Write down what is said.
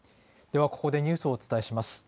ではここでニュースをお伝えします。